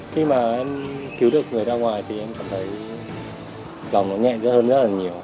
khi mà em cứu được người ra ngoài thì em cảm thấy vòng nó nhẹ hơn rất là nhiều